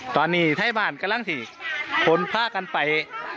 ตอนนี้ท่าสวรรค์บ้านกำลังที่ขนผ้ากันไป